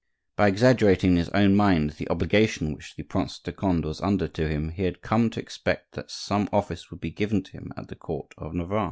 By exaggerating in his own mind the obligation which the Prince de Conde was under to him he had come to expect that some office would be given to him at the court of Navarre.